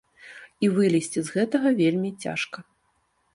І вылезці з гэтага вельмі цяжка.